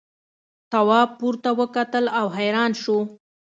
تواب پورته وکتل او حیران شو.